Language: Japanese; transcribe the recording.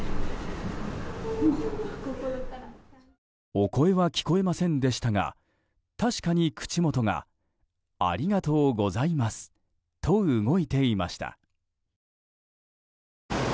お声は聞こえませんでしたが確かに口元が「ありがとうございます」と動いていました。